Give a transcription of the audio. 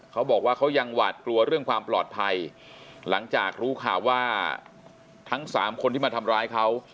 เขาบอกว่าเขายังหวาดกลัวเรื่องความปลอดภัยหลังจากรู้ข่าวว่าทั้งสามคนที่มาทำร้ายเขา